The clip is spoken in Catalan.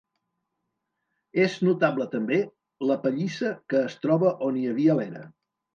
És notable també la pallissa que es troba on hi havia l'era.